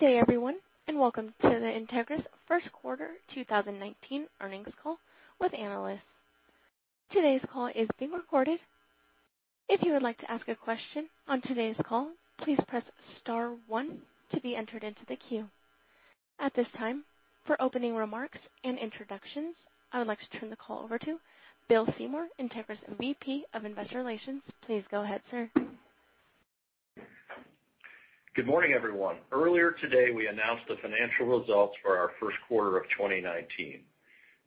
Good day everyone. Welcome to the Entegris first quarter 2019 earnings call with analysts. Today's call is being recorded. If you would like to ask a question on today's call, please press star one to be entered into the queue. At this time, for opening remarks and introductions, I would like to turn the call over to Bill Seymour, Entegris VP of Investor Relations. Please go ahead, sir. Good morning, everyone. Earlier today, we announced the financial results for our first quarter of 2019.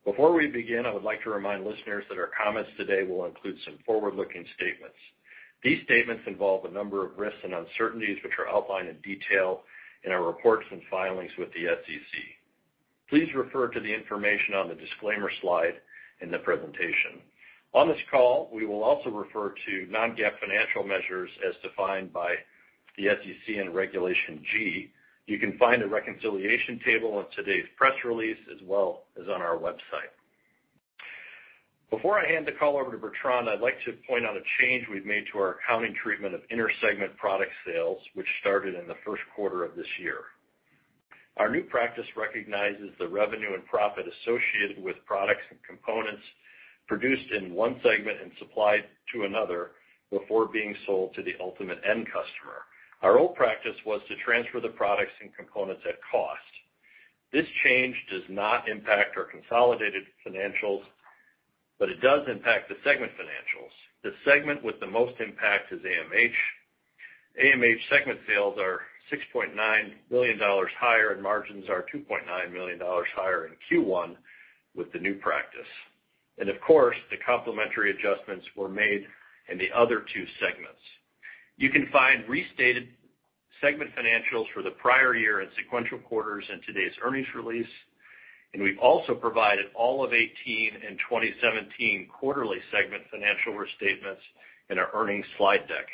Before we begin, I would like to remind listeners that our comments today will include some forward-looking statements. These statements involve a number of risks and uncertainties, which are outlined in detail in our reports and filings with the SEC. Please refer to the information on the disclaimer slide in the presentation. On this call, we will also refer to non-GAAP financial measures as defined by the SEC and Regulation G. You can find a reconciliation table on today's press release, as well as on our website. Before I hand the call over to Bertrand, I'd like to point out a change we've made to our accounting treatment of inter-segment product sales, which started in the first quarter of this year. Our new practice recognizes the revenue and profit associated with products and components produced in one segment and supplied to another before being sold to the ultimate end customer. Our old practice was to transfer the products and components at cost. This change does not impact our consolidated financials, but it does impact the segment financials. The segment with the most impact is AMH. AMH segment sales are $6.9 million higher, and margins are $2.9 million higher in Q1 with the new practice. Of course, the complementary adjustments were made in the other two segments. You can find restated segment financials for the prior year and sequential quarters in today's earnings release, and we've also provided all of 2018 and 2017 quarterly segment financial restatements in our earnings slide deck.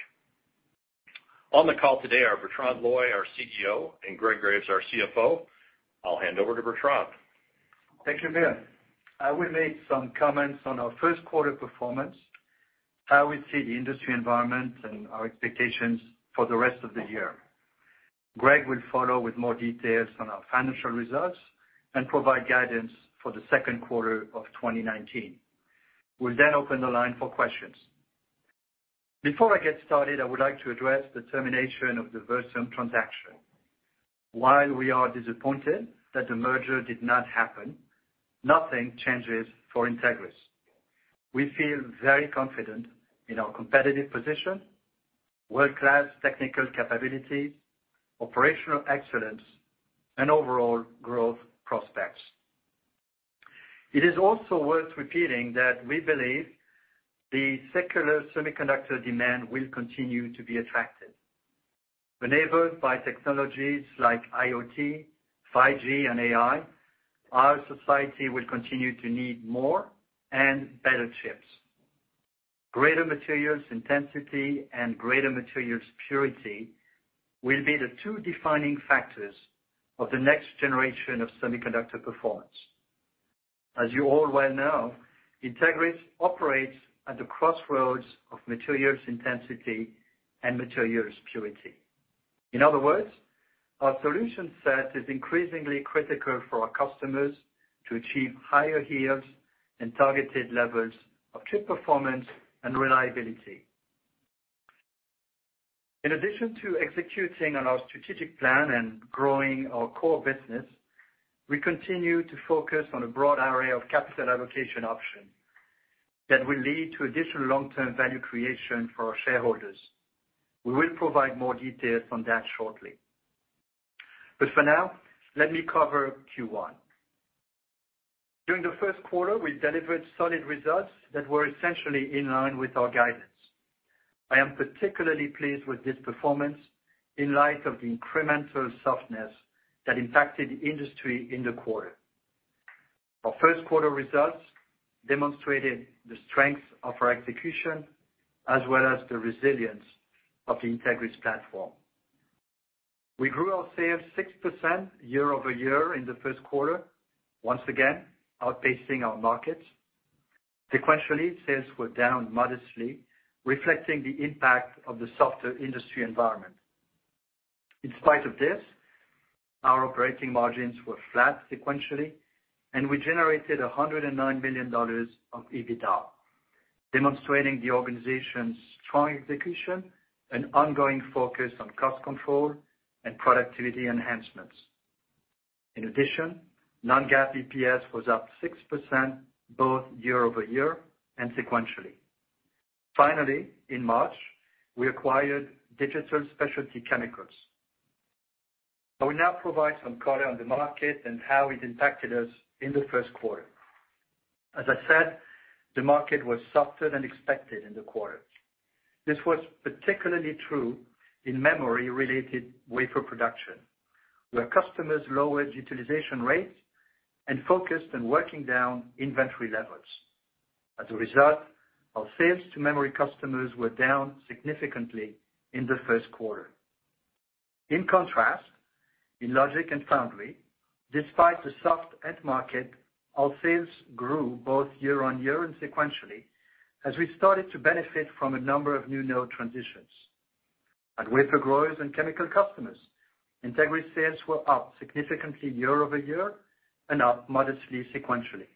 On the call today are Bertrand Loy, our CEO, and Greg Graves, our CFO. I'll hand over to Bertrand. Thank you, Bill. I will make some comments on our first quarter performance, how we see the industry environment and our expectations for the rest of the year. Greg will follow with more details on our financial results and provide guidance for the second quarter of 2019. We will open the line for questions. Before I get started, I would like to address the termination of the Versum transaction. While we are disappointed that the merger did not happen, nothing changes for Entegris. We feel very confident in our competitive position, world-class technical capabilities, operational excellence, and overall growth prospects. It is also worth repeating that we believe the secular semiconductor demand will continue to be attractive. Enabled by technologies like IoT, 5G, and AI, our society will continue to need more and better chips. Greater materials intensity and greater materials purity will be the two defining factors of the next generation of semiconductor performance. As you all well know, Entegris operates at the crossroads of materials intensity and materials purity. In other words, our solution set is increasingly critical for our customers to achieve higher yields and targeted levels of chip performance and reliability. In addition to executing on our strategic plan and growing our core business, we continue to focus on a broad array of capital allocation options that will lead to additional long-term value creation for our shareholders. We will provide more details on that shortly. For now, let me cover Q1. During the first quarter, we delivered solid results that were essentially in line with our guidance. I am particularly pleased with this performance in light of the incremental softness that impacted the industry in the quarter. Our first quarter results demonstrated the strength of our execution as well as the resilience of the Entegris platform. We grew our sales 6% year-over-year in the first quarter, once again outpacing our markets. Sequentially, sales were down modestly, reflecting the impact of the softer industry environment. In spite of this, our operating margins were flat sequentially, and we generated $109 million of EBITDA, demonstrating the organization's strong execution and ongoing focus on cost control and productivity enhancements. In addition, non-GAAP EPS was up 6% both year-over-year and sequentially. Finally, in March, we acquired Digital Specialty Chemicals. I will now provide some color on the market and how it impacted us in the first quarter. As I said, the market was softer than expected in the quarter. This was particularly true in memory-related wafer production, where customers lowered utilization rates and focused on working down inventory levels. As a result, our sales to memory customers were down significantly in the first quarter. In contrast, in logic and foundry, despite the soft end market, our sales grew both year-over-year and sequentially. As we started to benefit from a number of new node transitions. At wafer growers and chemical customers, Entegris sales were up significantly year-over-year and up modestly sequentially.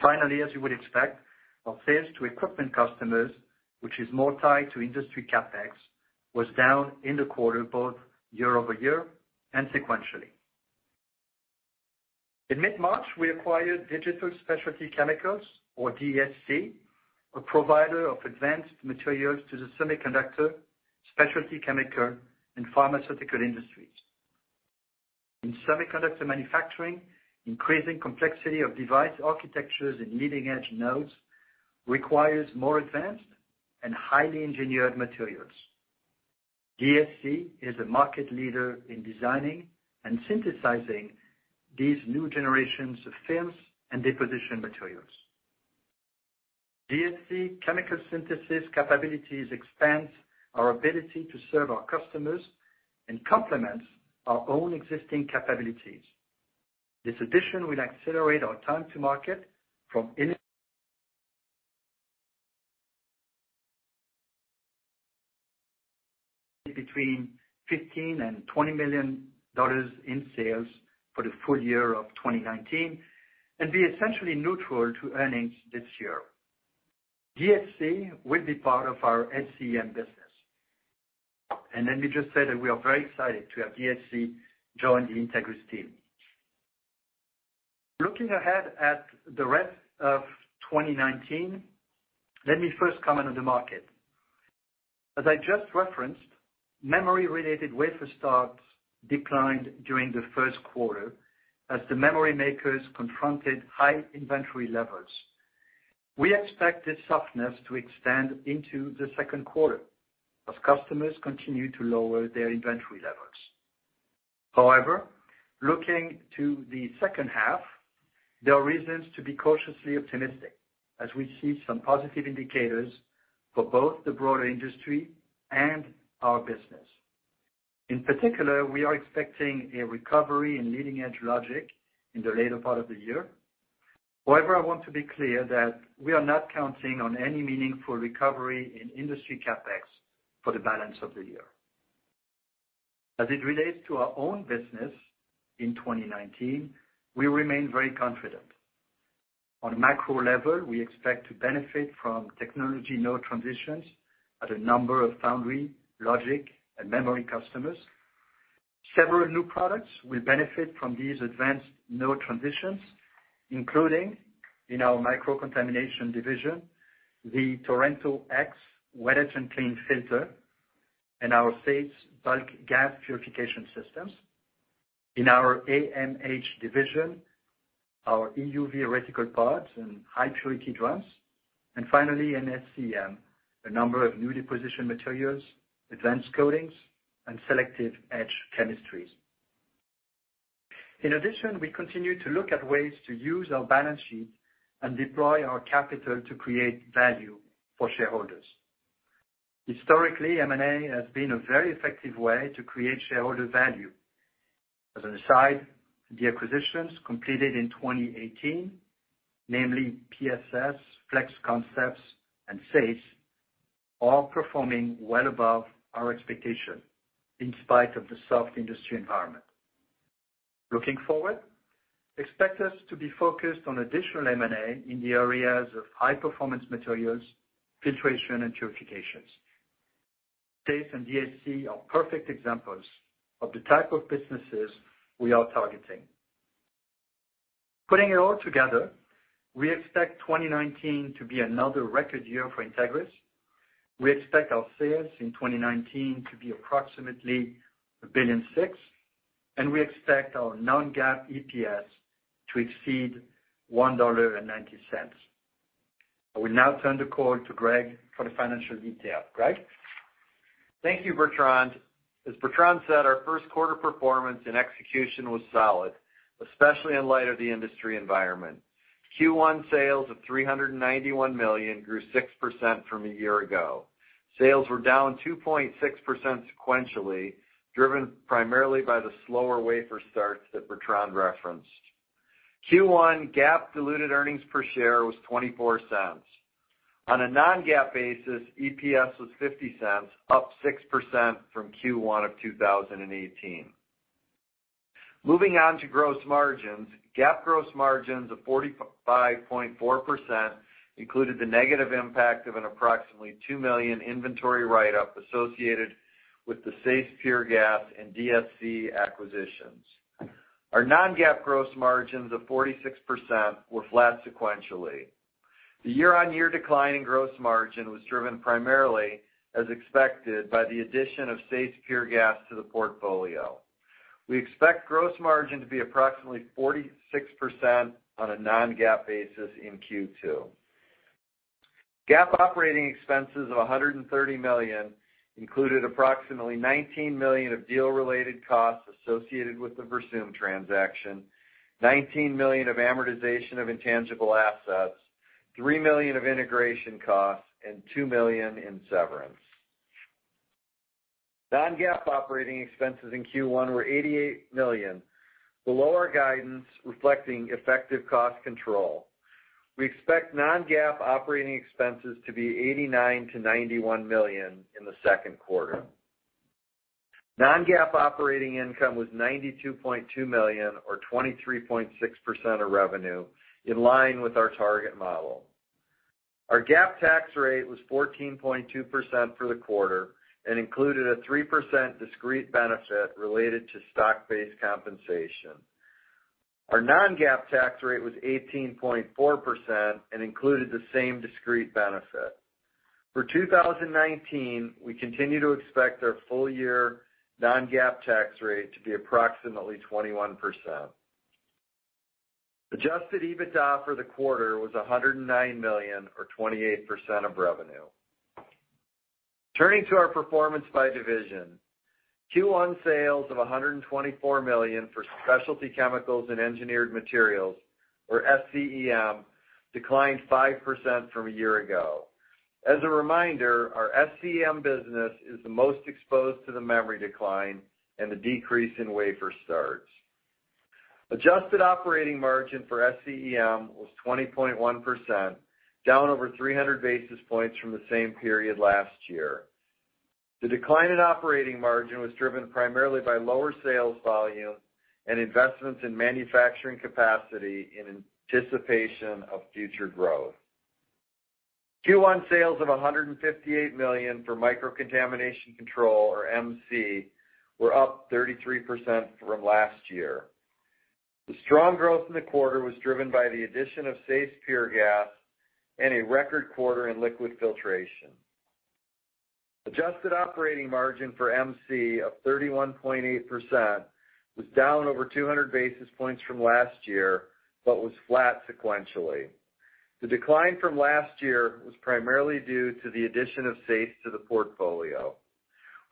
Finally, as you would expect, our sales to equipment customers, which is more tied to industry CapEx, was down in the quarter both year-over-year and sequentially. In mid-March, we acquired Digital Specialty Chemicals, or DSC, a provider of advanced materials to the semiconductor, specialty chemical, and pharmaceutical industries. In semiconductor manufacturing, increasing complexity of device architectures in leading-edge nodes requires more advanced and highly engineered materials. DSC is a market leader in designing and synthesizing these new generations of films and deposition materials. DSC chemical synthesis capabilities expands our ability to serve our customers and complements our own existing capabilities. This addition will accelerate our time to market between $15 million and $20 million in sales for the full year of 2019, and be essentially neutral to earnings this year. DSC will be part of our SCEM business. Let me just say that we are very excited to have DSC join the Entegris team. Looking ahead at the rest of 2019, let me first comment on the market. As I just referenced, memory-related wafer starts declined during the first quarter as the memory makers confronted high inventory levels. We expect this softness to extend into the second quarter as customers continue to lower their inventory levels. However, looking to the second half, there are reasons to be cautiously optimistic as we see some positive indicators for both the broader industry and our business. In particular, we are expecting a recovery in leading-edge logic in the later part of the year. However, I want to be clear that we are not counting on any meaningful recovery in industry CapEx for the balance of the year. As it relates to our own business in 2019, we remain very confident. On a macro level, we expect to benefit from technology node transitions at a number of foundry, logic, and memory customers. Several new products will benefit from these advanced node transitions, including in our Microcontamination division, the Torrento X wet etchant clean filter, and our SAES bulk gas purification systems. In our AMH division, our EUV reticle pods and high-purity drums, and finally, in SCEM, a number of new deposition materials, advanced coatings, and selective etch chemistries. In addition, we continue to look at ways to use our balance sheet and deploy our capital to create value for shareholders. Historically, M&A has been a very effective way to create shareholder value. As an aside, the acquisitions completed in 2018, namely PSS, Flex Concepts, and SAES, are performing well above our expectation in spite of the soft industry environment. Looking forward, expect us to be focused on additional M&A in the areas of high-performance materials, filtration, and purifications. SAES and DSC are perfect examples of the type of businesses we are targeting. Putting it all together, we expect 2019 to be another record year for Entegris. We expect our sales in 2019 to be approximately $1.6 billion, and we expect our non-GAAP EPS to exceed $1.90. I will now turn the call to Greg for the financial detail. Greg? Thank you, Bertrand. As Bertrand said, our first quarter performance and execution was solid, especially in light of the industry environment. Q1 sales of $391 million grew 6% from a year ago. Sales were down 2.6% sequentially, driven primarily by the slower wafer starts that Bertrand referenced. Q1 GAAP diluted earnings per share was $0.24. On a non-GAAP basis, EPS was $0.50, up 6% from Q1 of 2018. Moving on to gross margins. GAAP gross margins of 45.4% included the negative impact of an approximately $2 million inventory write-up associated with the SAES Pure Gas and DSC acquisitions. Our non-GAAP gross margins of 46% were flat sequentially. The year-on-year decline in gross margin was driven primarily, as expected, by the addition of SAES Pure Gas to the portfolio. We expect gross margin to be approximately 46% on a non-GAAP basis in Q2. GAAP operating expenses of $130 million included approximately $19 million of deal-related costs associated with the Versum transaction, $19 million of amortization of intangible assets, $3 million of integration costs, and $2 million in severance. Non-GAAP operating expenses in Q1 were $88 million, below our guidance, reflecting effective cost control. We expect non-GAAP operating expenses to be $89 million-$91 million in the second quarter. Non-GAAP operating income was $92.2 million or 23.6% of revenue, in line with our target model. Our GAAP tax rate was 14.2% for the quarter and included a 3% discrete benefit related to stock-based compensation. Our non-GAAP tax rate was 18.4% and included the same discrete benefit. For 2019, we continue to expect our full-year non-GAAP tax rate to be approximately 21%. Adjusted EBITDA for the quarter was $109 million or 28% of revenue. Turning to our performance by division. Q1 sales of $124 million for Specialty Chemicals and Engineered Materials, or SCEM, declined 5% from a year ago. As a reminder, our SCEM business is the most exposed to the memory decline and the decrease in wafer starts. Adjusted operating margin for SCEM was 20.1%, down over 300 basis points from the same period last year. The decline in operating margin was driven primarily by lower sales volume and investments in manufacturing capacity in anticipation of future growth. Q1 sales of $158 million for Microcontamination Control, or MC, were up 33% from last year. The strong growth in the quarter was driven by the addition of SAES Pure Gas and a record quarter in liquid filtration. Adjusted operating margin for MC of 31.8% was down over 200 basis points from last year but was flat sequentially. The decline from last year was primarily due to the addition of SAES to the portfolio.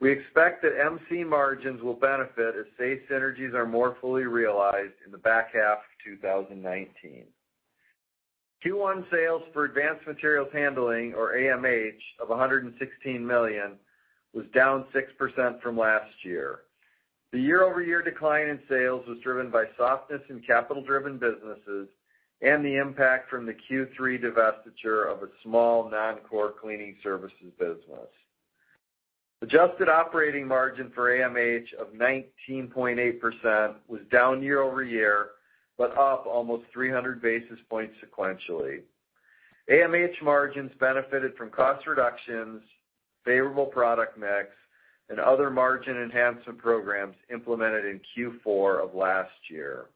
We expect that MC margins will benefit as SAES synergies are more fully realized in the back half of 2019. Q1 sales for Advanced Materials Handling, or AMH, of $116 million was down 6% from last year. The year-over-year decline in sales was driven by softness in capital-driven businesses and the impact from the Q3 divestiture of a small non-core cleaning services business. Adjusted operating margin for AMH of 19.8% was down year-over-year, but up almost 300 basis points sequentially. AMH margins benefited from cost reductions, favorable product mix, and other margin enhancement programs implemented in Q4 of last year.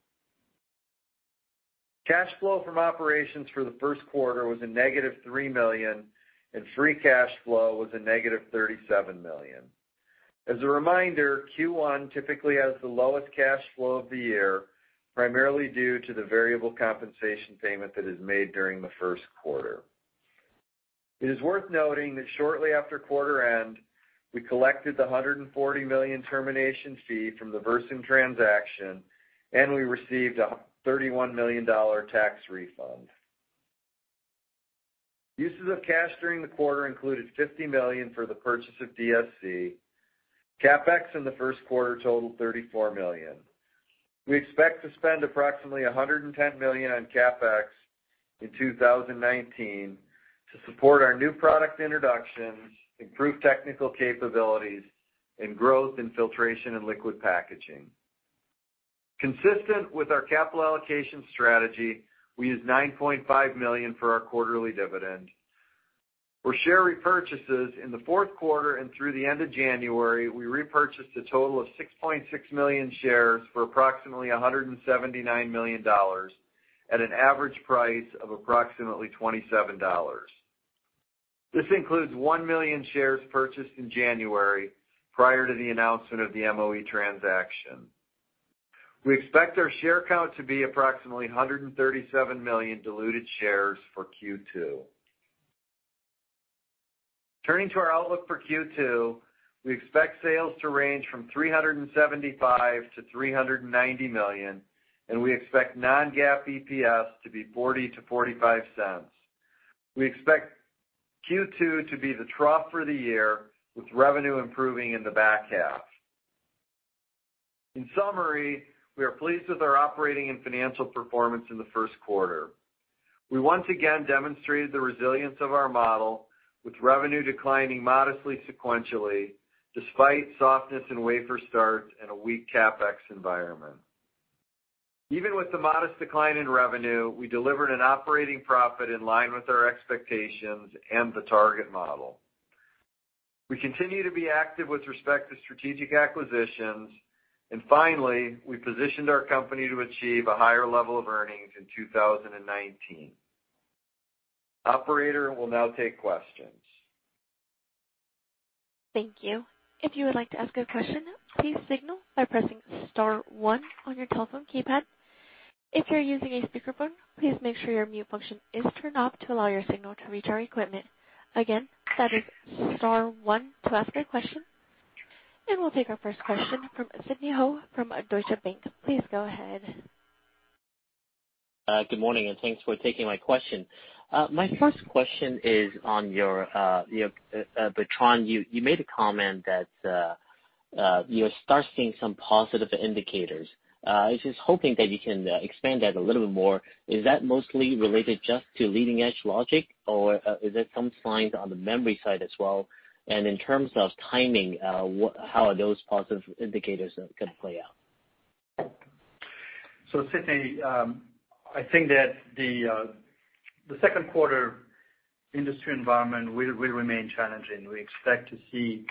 Cash flow from operations for the first quarter was a negative $3 million, and free cash flow was a negative $37 million. As a reminder, Q1 typically has the lowest cash flow of the year, primarily due to the variable compensation payment that is made during the first quarter. It is worth noting that shortly after quarter end, we collected the $140 million termination fee from the Versum transaction, and we received a $31 million tax refund. Uses of cash during the quarter included $50 million for the purchase of DSC. CapEx in the first quarter totaled $34 million. We expect to spend approximately $110 million on CapEx in 2019 to support our new product introductions, improve technical capabilities, and growth in filtration and liquid packaging. Consistent with our capital allocation strategy, we used $9.5 million for our quarterly dividend. For share repurchases in the fourth quarter and through the end of January, we repurchased a total of 6.6 million shares for approximately $179 million at an average price of approximately $27. This includes 1 million shares purchased in January prior to the announcement of the MOE transaction. We expect our share count to be approximately 137 million diluted shares for Q2. Turning to our outlook for Q2, we expect sales to range from $375 million-$390 million, and we expect non-GAAP EPS to be $0.40-$0.55. We expect Q2 to be the trough for the year, with revenue improving in the back half. In summary, we are pleased with our operating and financial performance in the first quarter. We once again demonstrated the resilience of our model, with revenue declining modestly sequentially, despite softness in wafer starts and a weak CapEx environment. Even with the modest decline in revenue, we delivered an operating profit in line with our expectations and the target model. We continue to be active with respect to strategic acquisitions. Finally, we positioned our company to achieve a higher level of earnings in 2019. Operator, we will now take questions. Thank you. If you would like to ask a question, please signal by pressing *1 on your telephone keypad. If you are using a speakerphone, please make sure your mute function is turned off to allow your signal to reach our equipment. Again, that is *1 to ask a question. And we will take our first question from Sidney Ho from Deutsche Bank. Please go ahead. Good morning, and thanks for taking my question. My first question is on Bertrand, you made a comment that you are starting to see some positive indicators. I was just hoping that you can expand that a little bit more. Is that mostly related just to leading-edge logic, or is it some signs on the memory side as well? And in terms of timing, how are those positive indicators going to play out? Sidney, I think that the second quarter industry environment will remain challenging. We expect to see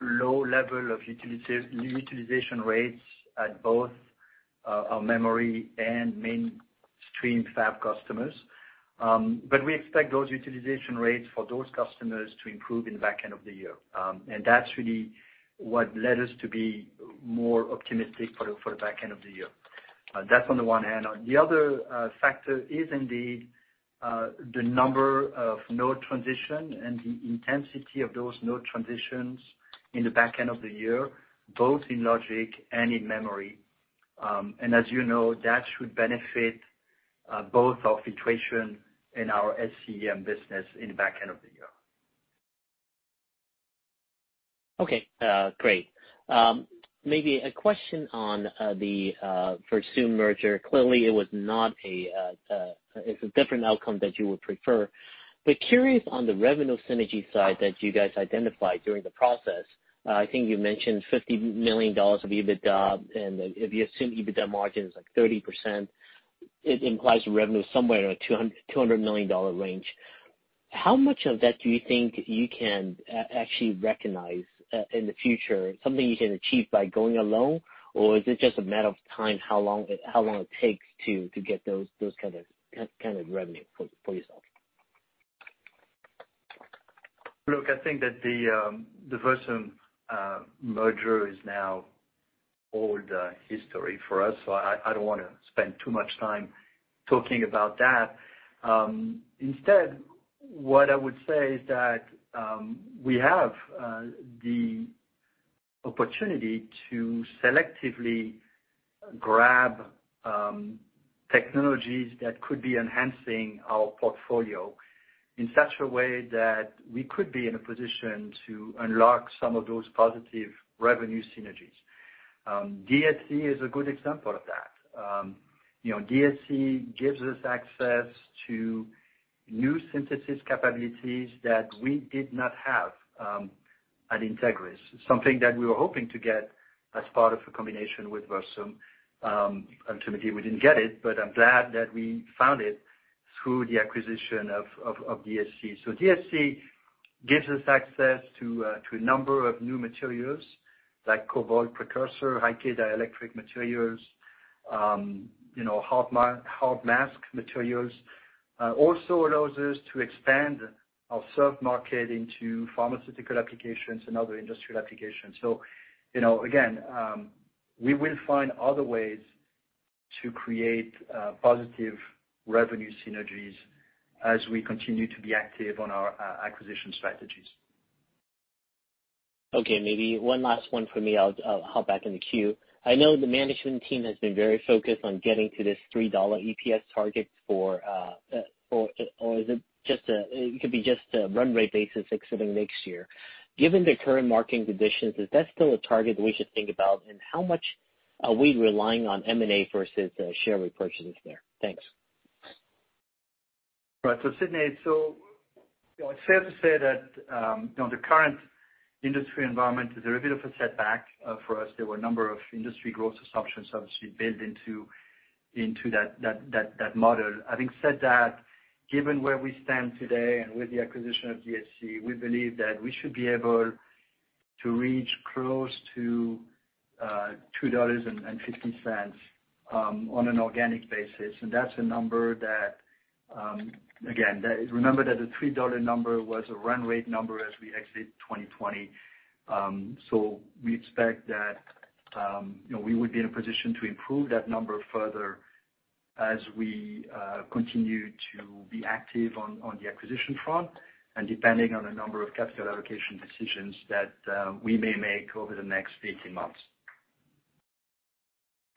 low level of utilization rates at both our memory and mainstream fab customers. We expect those utilization rates for those customers to improve in the back end of the year. That's really what led us to be more optimistic for the back end of the year. That's on the one hand. The other factor is indeed the number of node transition and the intensity of those node transitions in the back end of the year, both in logic and in memory. As you know, that should benefit both our filtration and our SCEM business in the back end of the year. Okay, great. Maybe a question on the Versum merger. Clearly, it's a different outcome that you would prefer. Curious on the revenue synergy side that you guys identified during the process. I think you mentioned $50 million of EBITDA, and if you assume EBITDA margin is 30%, it implies revenue somewhere in a $200 million range. How much of that do you think you can actually recognize in the future, something you can achieve by going alone? Or is it just a matter of time, how long it takes to get those kind of revenue for yourself? Look, I think that the Versum merger is now old history for us. I don't want to spend too much time talking about that. Instead, what I would say is that we have the opportunity to selectively grab technologies that could be enhancing our portfolio in such a way that we could be in a position to unlock some of those positive revenue synergies. DSC is a good example of that. DSC gives us access to new synthesis capabilities that we did not have at Entegris, something that we were hoping to get as part of a combination with Versum. Ultimately, we didn't get it, but I'm glad that we found it through the acquisition of DSC. DSC gives us access to a number of new materials like cobalt precursor, high-K dielectric materials, hard mask materials. Also allows us to expand our serve market into pharmaceutical applications and other industrial applications. Again, we will find other ways to create positive revenue synergies as we continue to be active on our acquisition strategies. Maybe one last one for me. I'll hop back in the queue. I know the management team has been very focused on getting to this $3 EPS target for Or it could be just a run rate basis exiting next year. Given the current market conditions, is that still a target we should think about, and how much are we relying on M&A versus share repurchases there? Thanks. Sidney, it's fair to say that the current industry environment is a bit of a setback for us. There were a number of industry growth assumptions, obviously, built into that model. Having said that, given where we stand today and with the acquisition of DSC, we believe that we should be able to reach close to $2.50 on an organic basis. That's a number that, again, remember that the $3 number was a run rate number as we exit 2020. We expect that we would be in a position to improve that number further as we continue to be active on the acquisition front and depending on a number of capital allocation decisions that we may make over the next 18 months.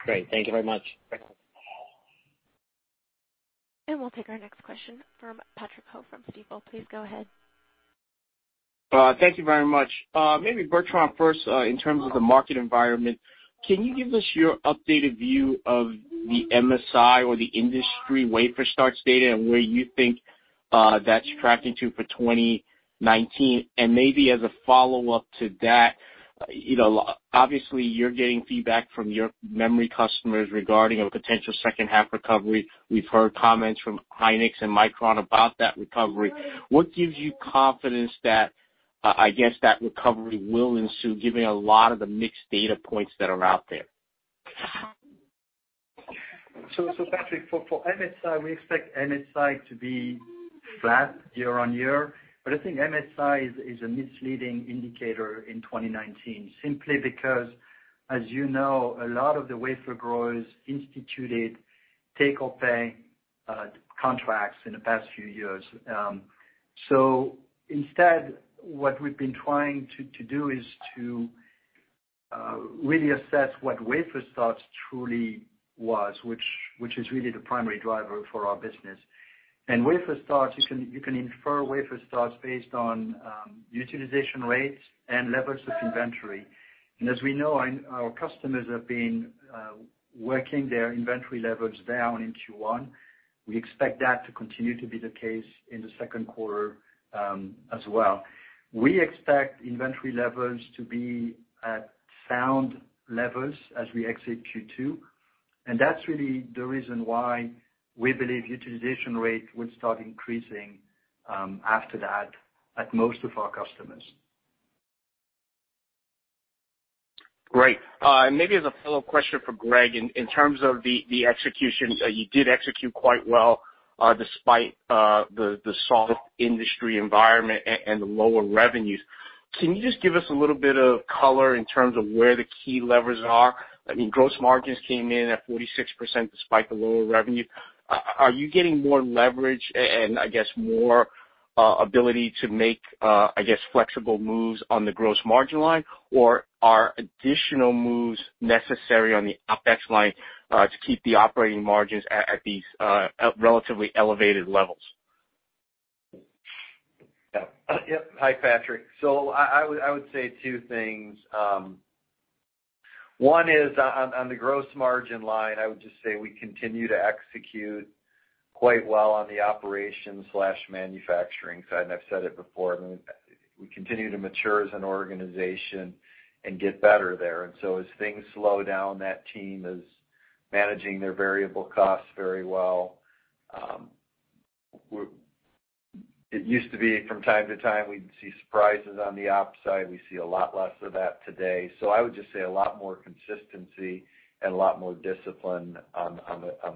Great. Thank you very much. Thank you. We'll take our next question from Patrick Ho from Stifel. Please go ahead. Thank you very much. Maybe Bertrand first, in terms of the market environment, can you give us your updated view of the MSI or the industry wafer starts data and where you think that's tracking to for 2019? Maybe as a follow-up to that, obviously you're getting feedback from your memory customers regarding a potential second half recovery. We've heard comments from Hynix and Micron about that recovery. What gives you confidence that, I guess, that recovery will ensue given a lot of the mixed data points that are out there? Patrick, for MSI, we expect MSI to be flat year-on-year. I think MSI is a misleading indicator in 2019, simply because, as you know, a lot of the wafer growers instituted take-or-pay contracts in the past few years. Instead, what we've been trying to do is to really assess what wafer starts truly was, which is really the primary driver for our business. Wafer starts, you can infer wafer starts based on utilization rates and levels of inventory. As we know, our customers have been working their inventory levels down in Q1. We expect that to continue to be the case in the second quarter as well. We expect inventory levels to be at sound levels as we exit Q2, that's really the reason why we believe utilization rate would start increasing after that at most of our customers. Great. Maybe as a follow-up question for Greg, in terms of the execution, you did execute quite well, despite the soft industry environment and the lower revenues. Can you just give us a little bit of color in terms of where the key levers are? I mean, gross margins came in at 46% despite the lower revenue. Are you getting more leverage and I guess, more ability to make, I guess, flexible moves on the gross margin line? Or are additional moves necessary on the OpEx line to keep the operating margins at these relatively elevated levels? Hi, Patrick. I would say two things. One is on the gross margin line, I would just say we continue to execute quite well on the operation/manufacturing side, and I've said it before, we continue to mature as an organization and get better there. As things slow down, that team is managing their variable costs very well. It used to be from time to time, we'd see surprises on the op side. We see a lot less of that today. I would just say a lot more consistency and a lot more discipline on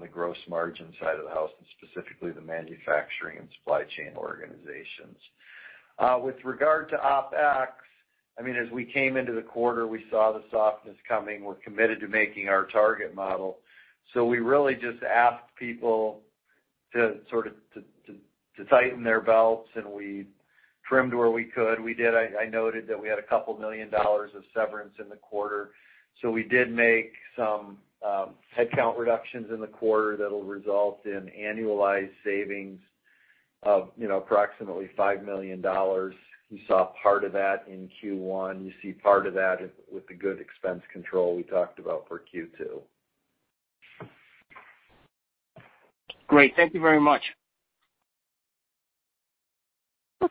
the gross margin side of the house, and specifically the manufacturing and supply chain organizations. With regard to OpEx, I mean, as we came into the quarter, we saw the softness coming. We're committed to making our target model. We really just asked people to sort of tighten their belts, and we trimmed where we could. We did. I noted that we had a couple million dollars of severance in the quarter, we did make some headcount reductions in the quarter that'll result in annualized savings of approximately $5 million. You saw part of that in Q1. You see part of that with the good expense control we talked about for Q2. Great. Thank you very much.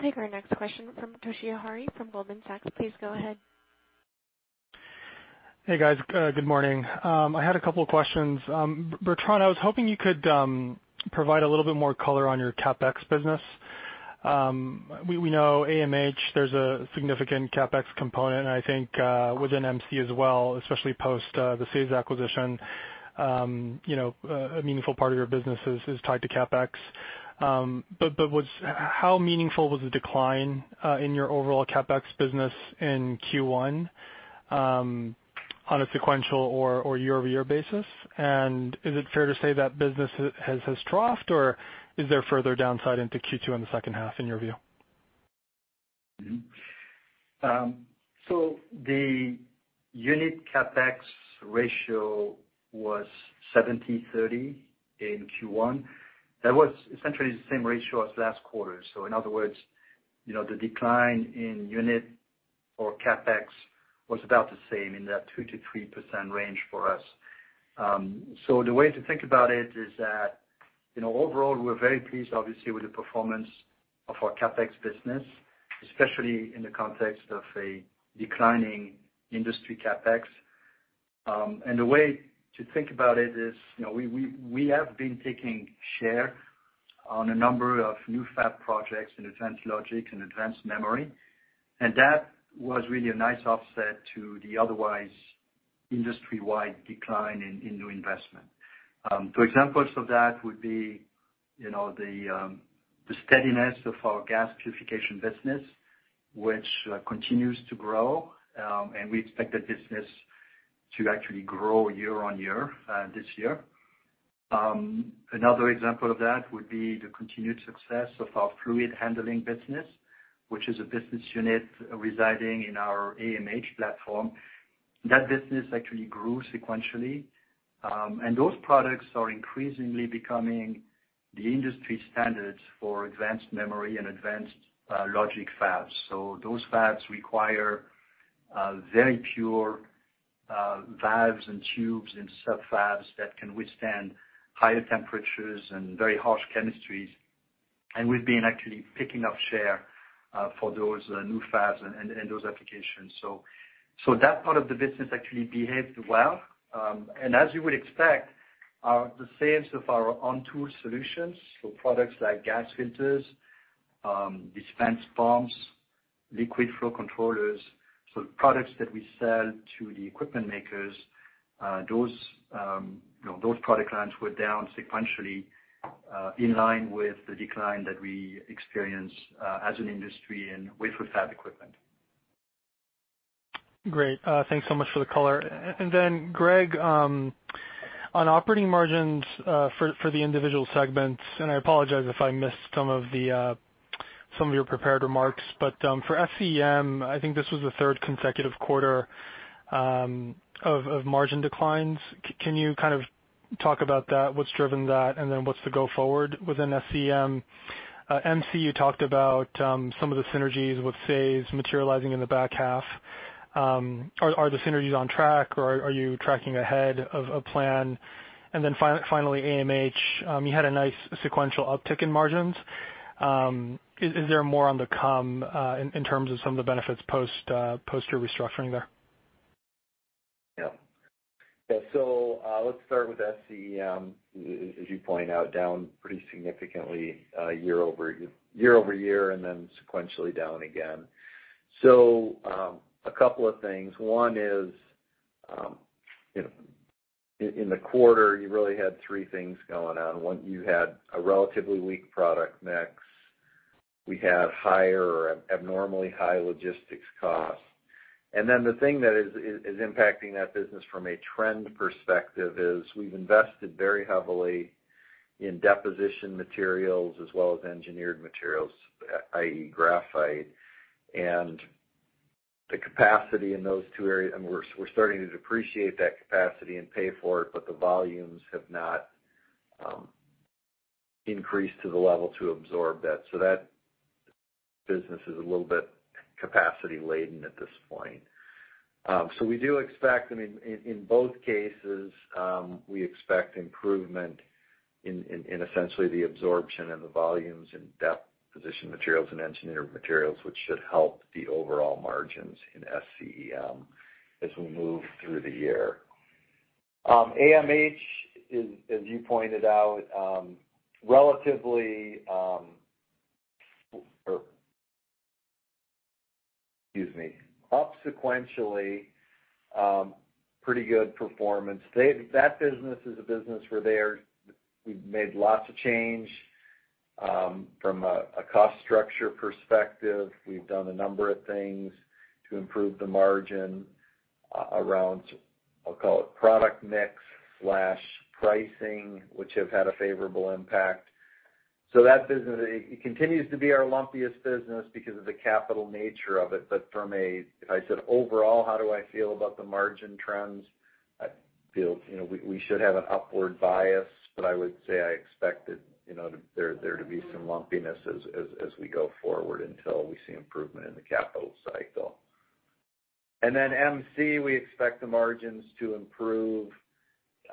We'll take our next question from Toshiya Hari from Goldman Sachs. Please go ahead. Hey, guys. Good morning. I had a couple of questions. Bertrand, I was hoping you could provide a little bit more color on your CapEx business. We know AMH, there's a significant CapEx component, and I think within MC as well, especially post the SAES acquisition, a meaningful part of your business is tied to CapEx. How meaningful was the decline in your overall CapEx business in Q1 on a sequential or year-over-year basis? Is it fair to say that business has troughed, or is there further downside into Q2 in the second half, in your view? The unit CapEx ratio was 70/30 in Q1. That was essentially the same ratio as last quarter. In other words, the decline in unit or CapEx was about the same in that 2%-3% range for us. The way to think about it is that, overall, we're very pleased obviously with the performance of our CapEx business, especially in the context of a declining industry CapEx. The way to think about it is we have been taking share on a number of new fab projects in advanced logic and advanced memory, and that was really a nice offset to the otherwise industry-wide decline in new investment. Two examples of that would be the steadiness of our gas purification business, which continues to grow, and we expect that business to actually grow year-on-year this year. Another example of that would be the continued success of our fluid handling business, which is a business unit residing in our AMH platform. That business actually grew sequentially. Those products are increasingly becoming the industry standards for advanced memory and advanced logic fabs. Those fabs require very pure valves and tubes and sub fabs that can withstand higher temperatures and very harsh chemistries. We've been actually picking up share for those new fabs and those applications. That part of the business actually behaved well. As you would expect, the sales of our on-tool solutions, so products like gas filters, dispense pumps, liquid flow controllers, so the products that we sell to the equipment makers, those product lines were down sequentially, in line with the decline that we experienced as an industry in wafer fab equipment. Great. Thanks so much for the color. Greg, on operating margins for the individual segments, I apologize if I missed some of your prepared remarks, but for SCEM, I think this was the third consecutive quarter of margin declines. Can you talk about that? What's driven that, what's the go forward within SCEM? MC, you talked about some of the synergies with SAES materializing in the back half. Are the synergies on track, or are you tracking ahead of plan? Finally, AMH. You had a nice sequential uptick in margins. Is there more on the come in terms of some of the benefits, post your restructuring there? Yeah. Let's start with SCEM, as you point out, down pretty significantly year-over-year, then sequentially down again. A couple of things. One is, in the quarter, you really had three things going on. One, you had a relatively weak product mix. We had higher, or abnormally high logistics costs. Then the thing that is impacting that business from a trend perspective is we've invested very heavily in deposition materials as well as engineered materials, i.e., graphite. The capacity in those two areas, and we're starting to depreciate that capacity and pay for it, but the volumes have not increased to the level to absorb that. That business is a little bit capacity-laden at this point. We do expect, I mean, in both cases, we expect improvement in essentially the absorption and the volumes in deposition materials and engineered materials, which should help the overall margins in SCEM as we move through the year. AMH is, as you pointed out, relatively. Excuse me. Up sequentially, pretty good performance. That business is a business where we've made lots of change from a cost structure perspective. We've done a number of things to improve the margin around, I'll call it product mix/pricing, which have had a favorable impact. That business, it continues to be our lumpiest business because of the capital nature of it. If I said, "Overall, how do I feel about the margin trends?" I feel we should have an upward bias, but I would say I expect there to be some lumpiness as we go forward until we see improvement in the capital cycle. Then MC, we expect the margins to improve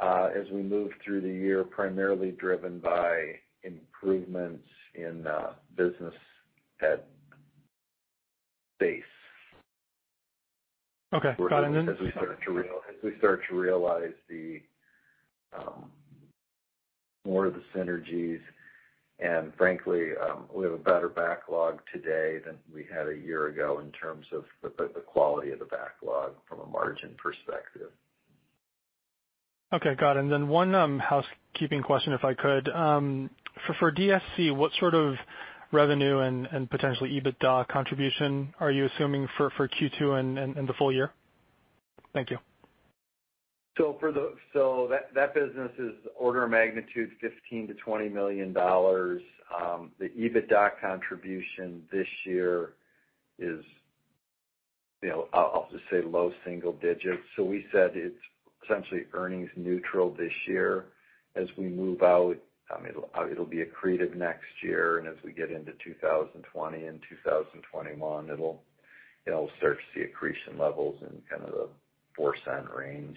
as we move through the year, primarily driven by improvements in [business mix space]. Okay. Got it. As we start to realize more of the synergies, and frankly, we have a better backlog today than we had a year ago in terms of the quality of the backlog from a margin perspective. Okay, got it. Then one housekeeping question, if I could. For DSC, what sort of revenue and potentially EBITDA contribution are you assuming for Q2 and the full year? Thank you. That business is order of magnitude $15 million-$20 million. The EBITDA contribution this year is, I'll just say low single digits. We said it's essentially earnings neutral this year. As we move out, it'll be accretive next year, and as we get into 2020 and 2021, it'll start to see accretion levels in kind of the $0.04 range.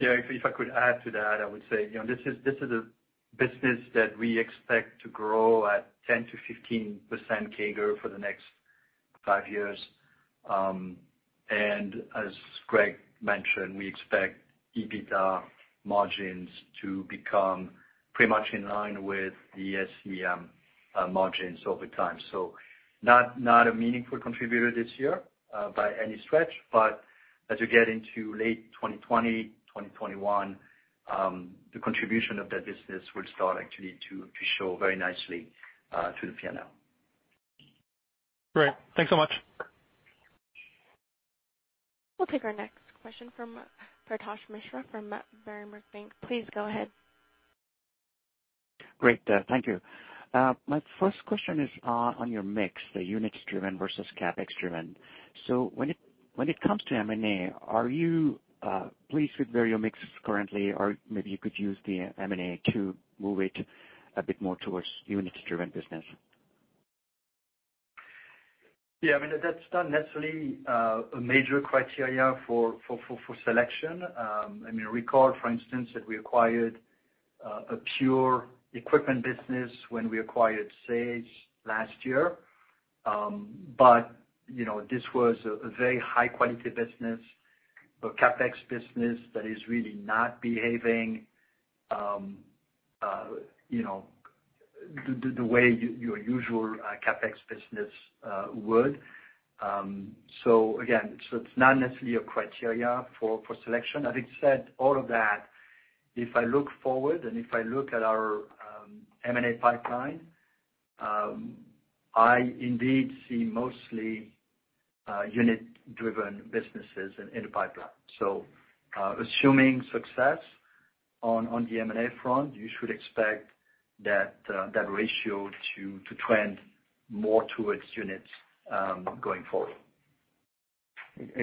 Yeah, if I could add to that, I would say, this is a business that we expect to grow at 10%-15% CAGR for the next five years. As Greg mentioned, we expect EBITDA margins to become pretty much in line with the SCEM margins over time. Not a meaningful contributor this year by any stretch. As we get into late 2020, 2021, the contribution of that business will start actually to show very nicely to the P&L. Great. Thanks so much. We'll take our next question from Paretosh Misra from Berenberg Bank. Please go ahead. Great. Thank you. My first question is on your mix, the units-driven versus CapEx-driven. When it comes to M&A, are you pleased with where your mix is currently, or maybe you could use the M&A to move it a bit more towards units-driven business? Yeah, I mean, that's not necessarily a major criteria for selection. I mean, recall, for instance, that we acquired a pure equipment business when we acquired SAES Pure Gas last year. This was a very high-quality business, a CapEx business that is really not behaving the way your usual CapEx business would. Again, it's not necessarily a criteria for selection. Having said all of that, if I look forward, and if I look at our M&A pipeline, I indeed see mostly unit-driven businesses in the pipeline. Assuming success on the M&A front, you should expect that ratio to trend more towards units going forward.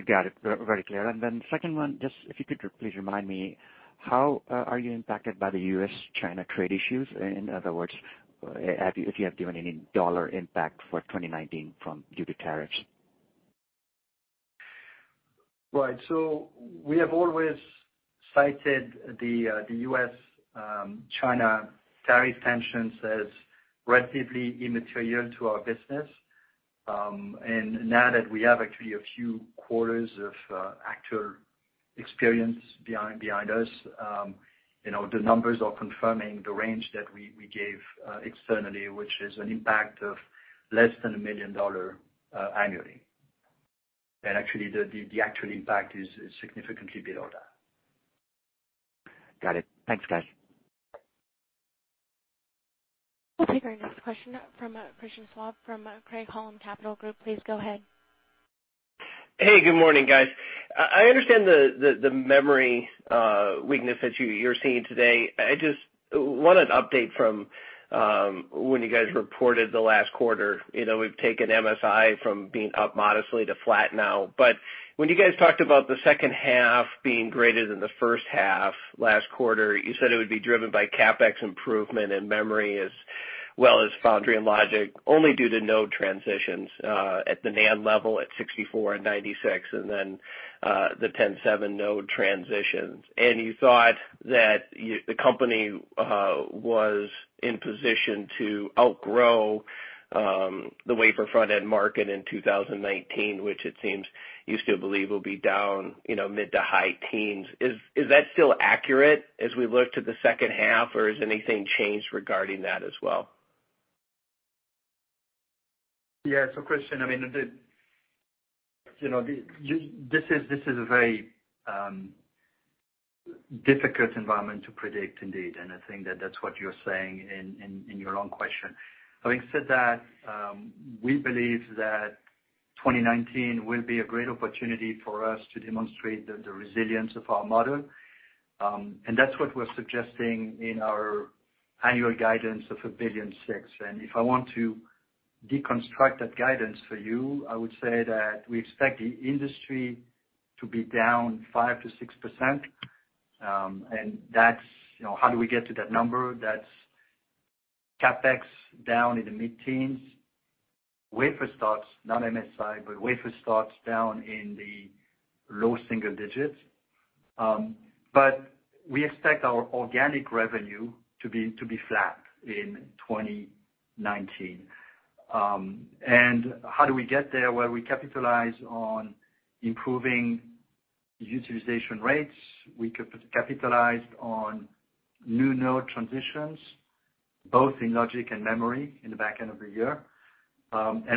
Got it. Very clear. Then second one, just if you could please remind me, how are you impacted by the US-China trade issues? In other words, if you have given any dollar impact for 2019 due to tariffs. Right. We have always cited the US-China tariff tensions as relatively immaterial to our business. Now that we have actually a few quarters of actual experience behind us, the numbers are confirming the range that we gave externally, which is an impact of less than $1 million annually. Actually, the actual impact is significantly below that. Got it. Thanks, guys. We'll take our next question from Christian Schwab from Craig-Hallum Capital Group. Please go ahead. Hey, good morning, guys. I understand the memory weakness that you're seeing today. I just want an update from when you guys reported the last quarter. We've taken MSI from being up modestly to flat now. When you guys talked about the second half being greater than the first half last quarter, you said it would be driven by CapEx improvement and memory, as well as foundry and logic, only due to node transitions at the NAND level at 64 and 96, and then the 10/7nm node transitions. You thought that the company was in position to outgrow the wafer front-end market in 2019, which it seems you still believe will be down mid to high teens. Is that still accurate as we look to the second half, or has anything changed regarding that as well? Yeah. Christian, this is a very difficult environment to predict, indeed, and I think that that's what you're saying in your long question. Having said that, we believe that 2019 will be a great opportunity for us to demonstrate the resilience of our model. That's what we're suggesting in our annual guidance of $1.6 billion. If I want to deconstruct that guidance for you, I would say that we expect the industry to be down 5%-6%. How do we get to that number? That's CapEx down in the mid-teens. Wafer starts, not MSI, wafer starts down in the low single digits. We expect our organic revenue to be flat in 2019. How do we get there, where we capitalize on improving utilization rates, we capitalized on new node transitions, both in logic and memory in the back end of the year.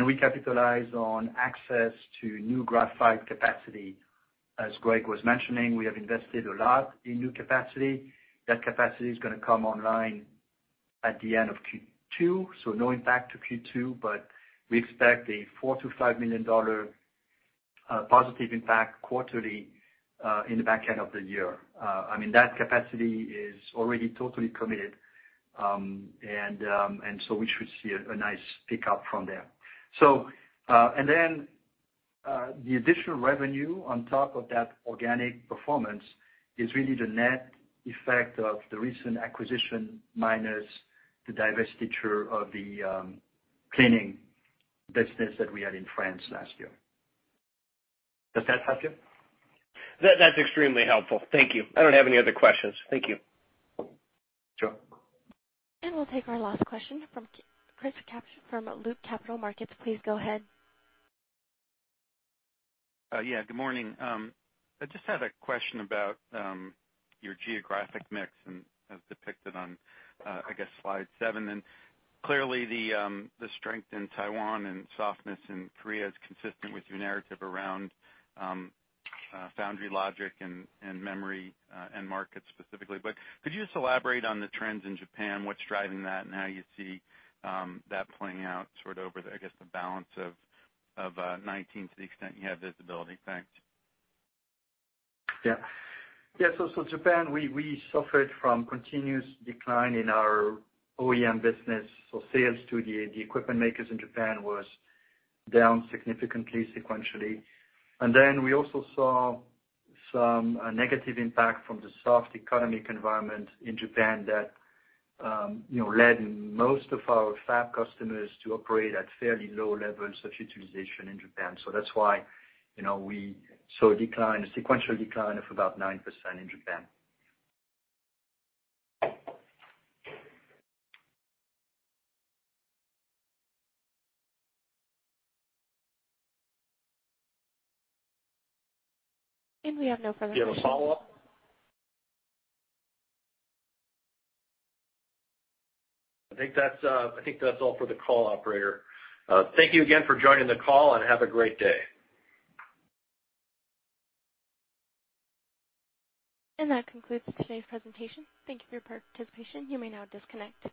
We capitalize on access to new graphite capacity. As Greg was mentioning, we have invested a lot in new capacity. That capacity is going to come online at the end of Q2, so no impact to Q2, but we expect a $4 million-$5 million positive impact quarterly in the back end of the year. That capacity is already totally committed, we should see a nice pickup from there. The additional revenue on top of that organic performance is really the net effect of the recent acquisition, minus the divestiture of the cleaning business that we had in France last year. Does that help you? That's extremely helpful. Thank you. I don't have any other questions. Thank you. Sure. We'll take our last question from Chris Kapsch from Loop Capital Markets. Please go ahead. Good morning. I just had a question about your geographic mix as depicted on, I guess, slide seven. Clearly, the strength in Taiwan and softness in Korea is consistent with your narrative around foundry logic and memory, and markets specifically. Could you just elaborate on the trends in Japan, what's driving that, and how you see that playing out over, I guess, the balance of 2019 to the extent you have visibility? Thanks. Japan, we suffered from continuous decline in our OEM business. Sales to the equipment makers in Japan was down significantly, sequentially. Then we also saw some negative impact from the soft economic environment in Japan that led most of our fab customers to operate at fairly low levels of utilization in Japan. That's why we saw a sequential decline of about 9% in Japan. We have no further questions. Do you have a follow-up? I think that's all for the call, operator. Thank you again for joining the call, have a great day. That concludes today's presentation. Thank you for your participation. You may now disconnect.